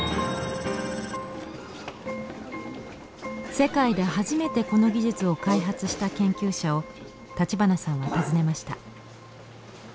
世界で初めてこの技術を開発した研究者を立花さんは訪ねました。